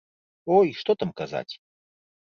Ой, што там казаць!